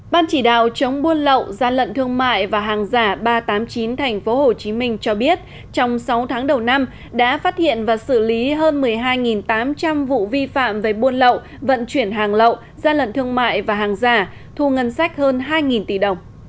ban chỉ đạo chống buôn lậu gian lận thương mại và hàng giả ba trăm tám mươi chín tp hcm cho biết trong sáu tháng đầu năm đã phát hiện và xử lý hơn một mươi hai tám trăm linh vụ vi phạm về buôn lậu vận chuyển hàng lậu gian lận thương mại và hàng giả thu ngân sách hơn hai tỷ đồng